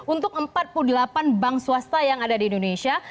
untuk empat puluh delapan bank swasta yang ada di indonesia